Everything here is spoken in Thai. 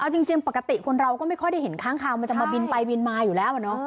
เอาจริงปกติคนเราก็ไม่ค่อยได้เห็นค้างคาวมันจะมาบินไปบินมาอยู่แล้ว